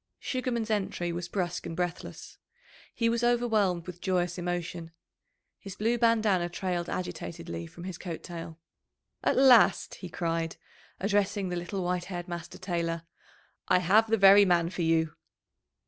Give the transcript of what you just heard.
Sugarman's entry was brusque and breathless. He was overwhelmed with joyous emotion. His blue bandanna trailed agitatedly from his coat tail. "At last!" he cried, addressing the little white haired master tailor, "I have the very man for you."